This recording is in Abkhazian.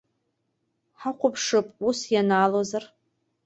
Ҳахәаԥшып ус ианаалозар.